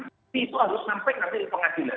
tapi itu harus sampai ke pengadilan